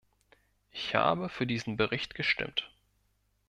Ich habe für diesen Bericht gestimmt.